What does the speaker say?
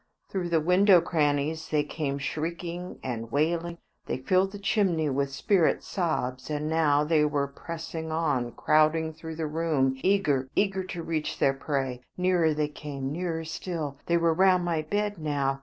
Through the window crannies they came shrieking and wailing. They filled the chimney with spirit sobs, and now they were pressing on, crowding through the room, eager, eager to reach their prey. Nearer they came; nearer still! They were round my bed now!